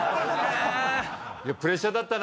プレッシャーだったな。